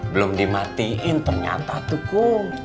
belom dimatiin ternyata tuh kum